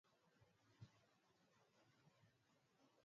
miji ya ulimwengu Inapatikana kwenye Amazon Njia muhimu